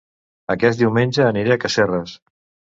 Aquest diumenge aniré a Casserres